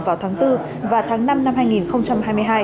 vào tháng bốn và tháng năm năm hai nghìn hai mươi hai